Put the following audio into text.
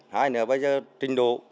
hai nữa bây giờ trinh đồ